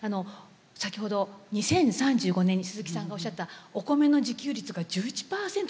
先ほど２０３５年に鈴木さんがおっしゃったお米の自給率が１１％に落ちるかもしれない。